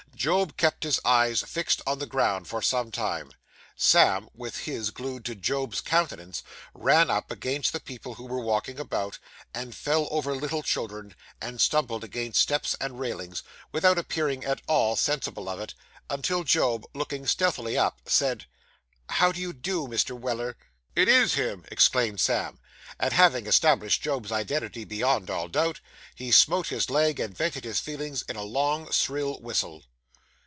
Job kept his eyes fixed on the ground for some time. Sam, with his glued to Job's countenance, ran up against the people who were walking about, and fell over little children, and stumbled against steps and railings, without appearing at all sensible of it, until Job, looking stealthily up, said 'How do you do, Mr. Weller?' 'It is him!' exclaimed Sam; and having established Job's identity beyond all doubt, he smote his leg, and vented his feelings in a long, shrill whistle.